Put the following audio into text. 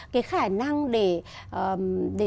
cái khả năng để